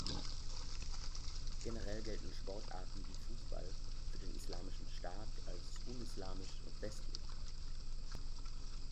Generell gelten Sportarten wie Fußball für den Islamischen Staat als unislamisch und westlich.